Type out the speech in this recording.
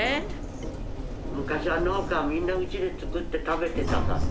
昔は農家はみんなうちで作って食べてたから。